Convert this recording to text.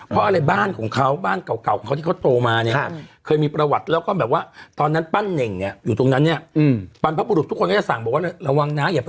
ตอนนี้ก็รวยแล้วแหละเนอะอืมยุคยานาคผ่านไปยุคทุกวันโอ้โห